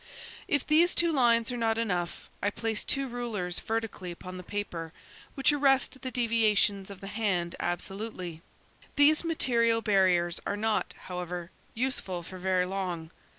If these two lines are not enough, I place two rulers vertically upon the paper, which arrest the deviations of the hand absolutely. These material barriers are not, however, useful for very long.